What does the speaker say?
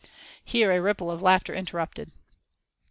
Here a ripple of laughter interrupted.